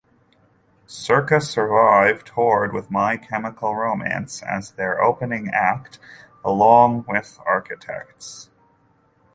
Circa Survive toured with My Chemical Romance as their opening act along with Architects.